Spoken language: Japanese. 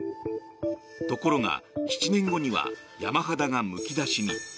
ところが、７年後には山肌がむき出しに。